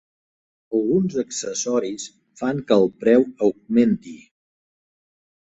Alguns accessoris fan que el preu augmenti.